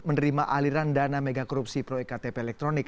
menerima aliran dana megakorupsi proyek ktp elektronik